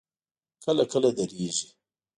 کله کله درېږي.